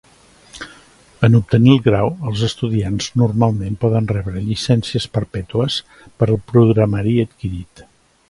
En obtenir el grau, els estudiants normalment poden rebre llicències perpètues per al programari adquirit.